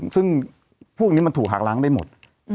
ซึ่งพวกนี้มันถูกหักล้างได้หมด